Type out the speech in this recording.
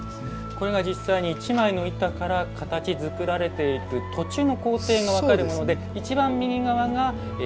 これが実際に一枚の板から形づくられていく途中の工程が分かるもので一番右側が急須完成したもの。